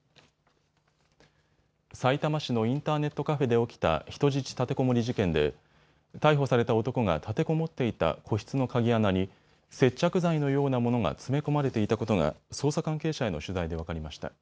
さいたま市のインターネットカフェで起きた人質立てこもり事件で逮捕された男が立てこもっていた個室の鍵穴に接着剤のようなものが詰め込まれていたことが捜査関係者への取材で分かりました。